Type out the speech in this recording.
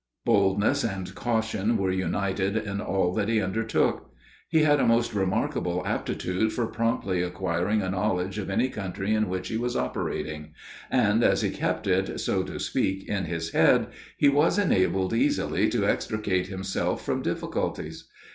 Boldness and caution were united in all that he undertook. He had a most remarkable aptitude for promptly acquiring a knowledge of any country in which he was operating; and as he kept it, so to speak, "in his head," he was enabled easily to extricate himself from difficulties.